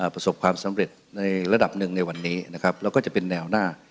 ประสบความสำเร็จในระดับหนึ่งในวันนี้นะครับแล้วก็จะเป็นแนวหน้า